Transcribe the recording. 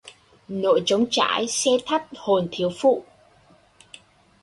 Nỗi trống trải se thắt hồn thiếu phụ